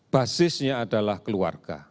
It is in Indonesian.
basisnya adalah keluarga